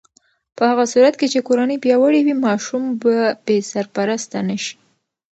په هغه صورت کې چې کورنۍ پیاوړې وي، ماشوم به بې سرپرسته نه شي.